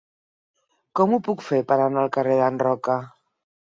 Com ho puc fer per anar al carrer d'en Roca?